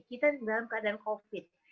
kita dalam keadaan covid